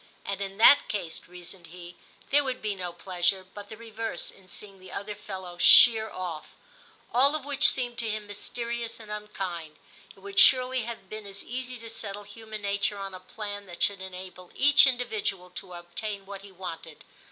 *And in that case/ reasoned he, * there would be no pleasure, but the reverse, in seeing the other fellow sheer oflf.* All of which seemed to him mysterious and unkind. * It would surely have been as easy to settle human nature on a plan that should enable each individual to obtain what he wanted.'